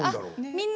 「みんな！